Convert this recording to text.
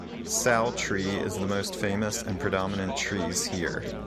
Sal tree is the most famous and predominant trees here.